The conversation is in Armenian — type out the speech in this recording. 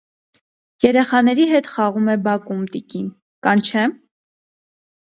- Երեխաների հետ խաղում է բակում, տիկին, կանչե՞մ: